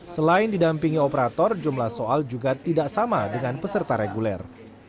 selain didampingi operator jumlah soal juga tidak sama dengan peserta reguler